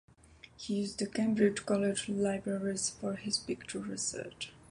He used the Cambridge college libraries for his picture research.